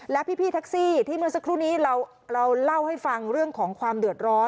และพี่แท็กซี่ที่เมื่อสักครู่นี้เราเล่าให้ฟังเรื่องของความเดือดร้อน